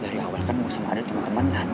dari awal kan gue sama adel cuma temenan